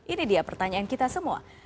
ini dia pertanyaan kita semua